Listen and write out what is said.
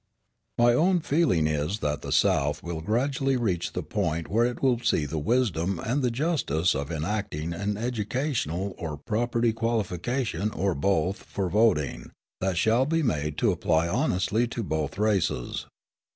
My own feeling is that the South will gradually reach the point where it will see the wisdom and the justice of enacting an educational or property qualification, or both, for voting, that shall be made to apply honestly to both races.